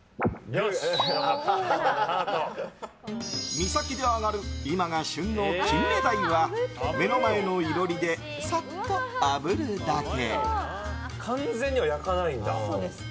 三崎で揚がる今が旬のキンメダイは目の前の囲炉裏でさっとあぶるだけ。